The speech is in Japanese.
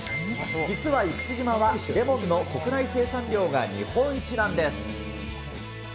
実は生口島はレモンの国内生産量が日本一なんです。